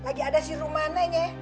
lagi ada si rumane nya